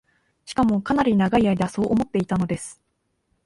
しかも、かなり永い間そう思っていたのです